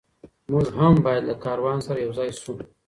موږ هم باید له کاروان سره یو ځای سو.